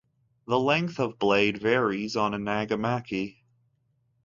The length of blade varies on a nagamaki.